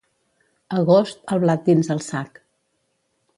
Agost, el blat dins el sac.